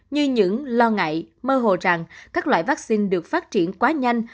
như những lo ngại mơ hồ rằng các loại vaccine được phát triển quá nhanh